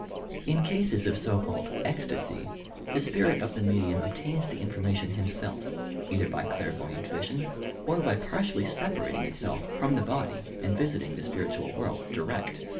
Iq cases of so called "ecstasy" the spirit of the medium obtains the information himself, either by clairvoyant vision or by partially separating itself from the body and visiting the spiritual world direct.